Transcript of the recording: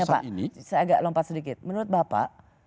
saya mau tanya pak saya agak lompat sedikit menurut bapak